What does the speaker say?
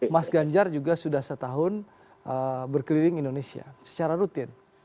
mas ganjar juga sudah setahun berkeliling indonesia secara rutin